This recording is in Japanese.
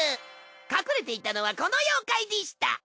隠れていたのはこの妖怪でした。